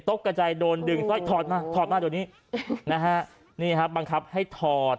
กระจายโดนดึงสร้อยถอดมาถอดมาเดี๋ยวนี้นะฮะนี่ครับบังคับให้ถอด